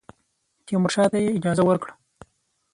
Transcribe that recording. تیمورشاه ته یې اجازه ورکړه.